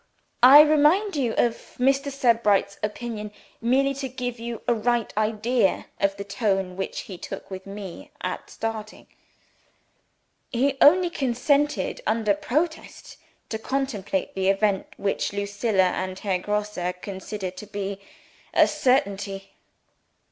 I remind you of Mr. Sebright's opinion merely to give you a right idea of the tone which he took with me at starting. He only consented under protest to contemplate the event which Lucilla and Herr Grosse consider to be a certainty.